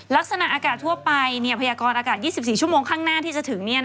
ลักษณะอากาศทั่วไปพยากรอากาศ๒๔ชั่วโมงข้างหน้าที่จะถึง